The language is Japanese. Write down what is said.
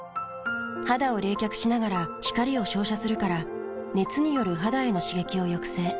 肌を冷却しながら光を照射するから熱による肌への刺激を抑制。